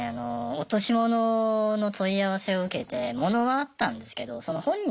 落とし物の問い合わせを受けて物はあったんですけどその本人